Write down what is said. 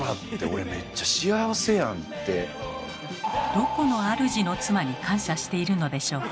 どこの主の妻に感謝しているのでしょうか。